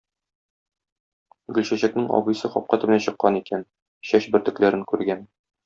Гөлчәчәкнең абыйсы капка төбенә чыккан икән, чәч бөртекләрен күргән.